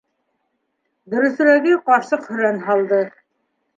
Дөрөҫөрәге ҡарсыҡ һөрән һалды: